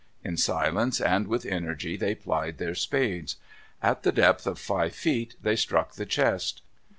In silence and with energy they plied their spades. At the depth of five feet they struck the chest.